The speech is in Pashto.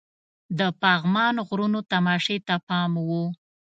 د پغمان غرونو تماشې ته پام وو.